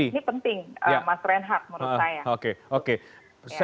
ini penting mas reinhardt menurut saya